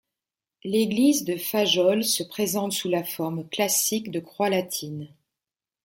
L'église de Fajoles se présente sous la forme classique de croix latine.